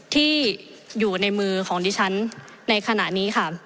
ที่อยู่ในมือของดิฉันในขณะนี้ค่ะ